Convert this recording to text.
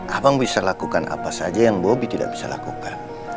abang bisa lakukan apa saja yang bobi tidak bisa lakukan